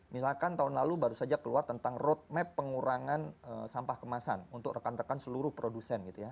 misalkan tahun lalu baru saja keluar tentang roadmap pengurangan sampah kemasan untuk rekan rekan seluruh produsen gitu ya